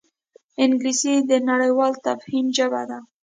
انګلیسي د نړیوال تفهیم ژبه ده